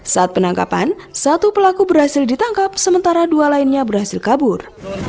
saat penangkapan satu pelaku berhasil ditangkap sementara dua lainnya berhasil kabur